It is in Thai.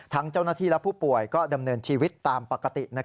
ทั้งเจ้าหน้าที่และผู้ป่วยก็ดำเนินชีวิตตามปกติ